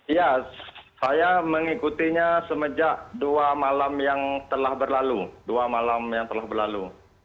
ya saya mengikutinya semenjak dua malam yang telah berlalu